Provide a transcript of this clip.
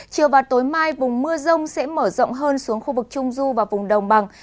chiều và tối mai vùng mưa rông sẽ mở rộng hơn xuống khu vực trung du và vùng đồng bằng